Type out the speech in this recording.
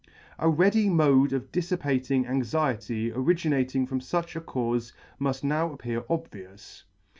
A ready mode of diflipating anxiety originating from fuch a caufe mull now appear obvious.